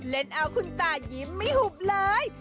เล่นเอาคุณตายิ้มไม่หุบเลย